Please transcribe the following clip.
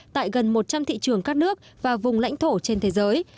tại gần một trăm linh thị trường các nước và vùng lãnh thổ trên thế giới